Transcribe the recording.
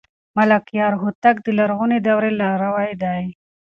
ملکیار هوتک د لرغونې دورې لاروی دی.